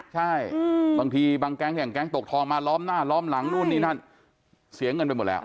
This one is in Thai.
ใช่บางทีบางแก๊งอย่างแก๊งตกทองมาล้อมหน้าล้อมหลังนู่นนี่นั่นเสียเงินไปหมดแล้ว